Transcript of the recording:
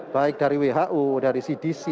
baik dari who dari cdc